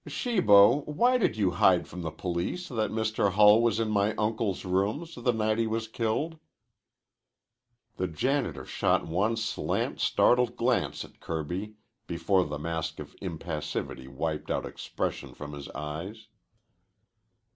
"Shibo, why did you hide from the police that Mr. Hull was in my uncle's rooms the night he was killed?" The janitor shot one slant, startled glance at Kirby before the mask of impassivity wiped out expression from his eyes.